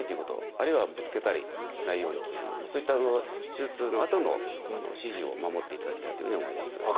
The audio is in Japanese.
あるいはぶつけたりしないようにというそういった手術のあとの指示を守っていただきたいというふうに思います。